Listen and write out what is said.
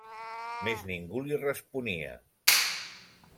Mes ningú li responia.